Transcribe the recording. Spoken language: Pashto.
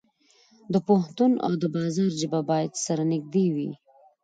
د پوهنتون او بازار ژبه باید سره نږدې وي.